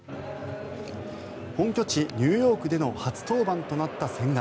本拠地ニューヨークでの初登板となった千賀。